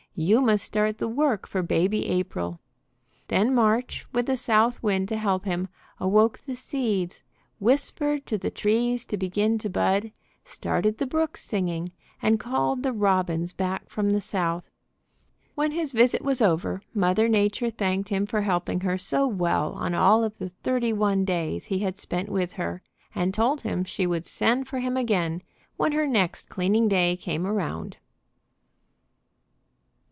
You must start the work for Baby April." Then March, with the South Wind to help him, awoke the seeds, whispered to the trees to begin to bud, started the brooks singing, and called the robins back from the South. When his visit was over Mother Nature thanked him for helping her so well on all of the thirty one days he had spent with her, and told him she would send for him again when her next cleaning day came around.